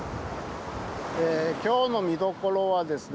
え今日の見どころはですね